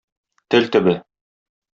Тел төбе.